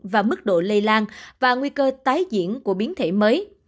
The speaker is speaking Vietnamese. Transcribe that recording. và mức độ lây lan và nguy cơ tái diễn của biến thể mới